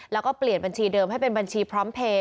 แล้วก็เปลี่ยนบัญชีเดิมให้เป็นบัญชีพร้อมเพลย์